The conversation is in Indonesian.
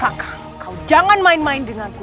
haka kau jangan main main denganku